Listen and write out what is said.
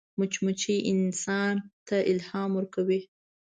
مچمچۍ انسان ته الهام ورکوي